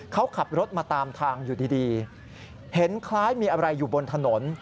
เขาขับรถมาตามทางอยู่ดีเห็นคล้ายมีอะไรอยู่บนถนน